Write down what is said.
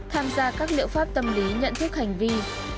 tham gia các liệu pháp tâm lý nhận thức hành vi